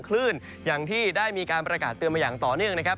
คลื่นอย่างที่ได้มีการประกาศเตือนมาอย่างต่อเนื่องนะครับ